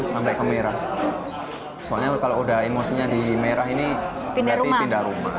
sampai ke merah soalnya kalau udah emosinya di merah ini berarti pindah rumah